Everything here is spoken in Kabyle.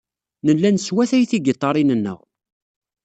Nella neswatay tigiṭarin-nneɣ.